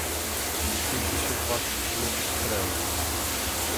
Тільки щоб вас не підстрелили.